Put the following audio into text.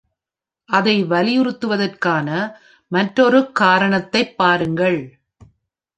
அதை வலியுறுத்துவதற்கான மற்றொருக் காரணத்தைப் பாருங்கள்.